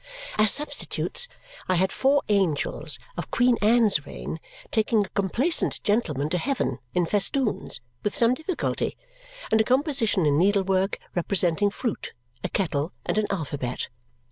As substitutes, I had four angels, of Queen Anne's reign, taking a complacent gentleman to heaven, in festoons, with some difficulty; and a composition in needlework representing fruit, a kettle, and an alphabet.